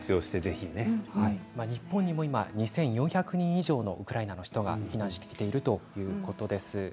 日本にも２４００人以上のウクライナの人が避難しているということです。